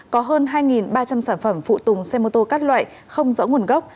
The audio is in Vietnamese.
có hơn hai ba trăm linh sản phẩm phụ tùng xe mô tô các loại không rõ nguồn gốc